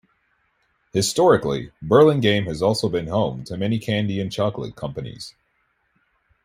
Historically, Burlingame has also been home to many candy and chocolate companies.